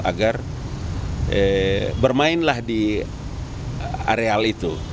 agar bermainlah di areal itu